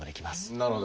なるほど。